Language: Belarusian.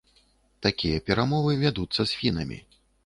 Такія перамовы вядуцца з фінамі.